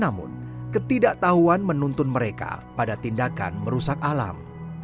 namun ketidaktahuan menuntun mereka pada tindakan merusak alam